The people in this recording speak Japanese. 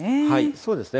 そうですね。